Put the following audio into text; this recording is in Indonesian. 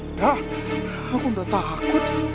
nggak aku udah takut